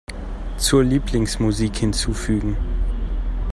Zur Lieblingsmusik hinzufügen.